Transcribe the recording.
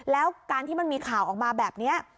แล้วการที่มันมีข่าวออกมาแบบนี้